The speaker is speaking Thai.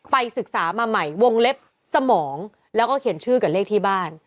ไปศึกษามาใหม่วงเล็บสมองแล้วก็เขียนชื่อกับเลขที่บ้าน